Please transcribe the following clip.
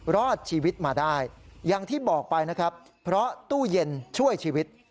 รอดชีวิตมาได้อย่างที่บอกไปนะครับเพราะตู้เย็นช่วยชีวิต